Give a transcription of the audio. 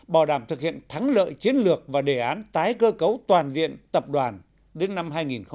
bảo đảm thực hiện thắng lợi chiến lược và đề án tái cơ cấu toàn diện tập đoàn đến năm hai nghìn ba mươi